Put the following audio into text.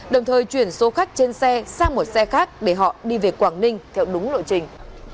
đồng thời chuyển số khách trên xe sang một xe khác để họ đi về quảng ninh theo đúng lộ trình